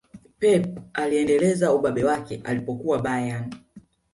pep aliendeleza ubabe wake alipokuwa bayern